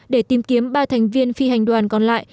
để tìm kiếm ba thành viên phi hành đoàn còn lại